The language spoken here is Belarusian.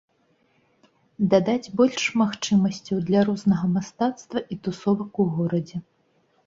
Дадаць больш магчымасцяў для рознага мастацтва і тусовак у горадзе.